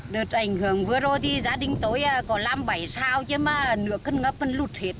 đợt ảnh hưởng vừa rồi thì gia đình tôi có làm bảy sao chứ mà nửa cân ngập còn lụt hết